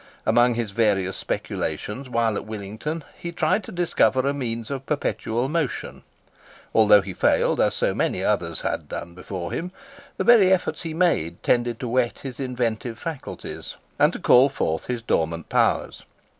Amongst his various speculations while at Willington, he tried to discover a means of Perpetual Motion. Although he failed, as so many others had done before him, the very efforts he made tended to whet his inventive faculties, and to call forth his dormant powers.